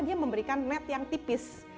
dia memberikan net yang tipis